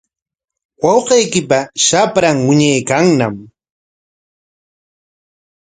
Wawqiykipa shapran wiñaykanñam.